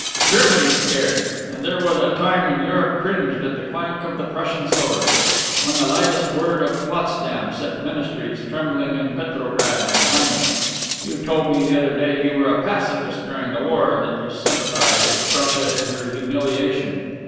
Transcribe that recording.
"Germany scared! And there was a time when Europe cringed at the clank of the Prussian sword! When the lightest word of Potsdam set ministries trembling in Petrograd and London. You told me the other day you were a pacifist during the war and that you sympathized with Prussia in her humiliation.